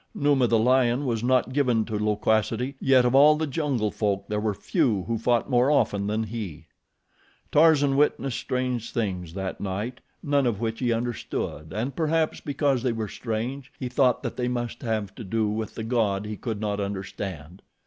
Numa, the lion, was not given to loquacity, yet of all the jungle folk there were few who fought more often than he. Tarzan witnessed strange things that night, none of which he understood, and, perhaps because they were strange, he thought that they must have to do with the God he could not understand.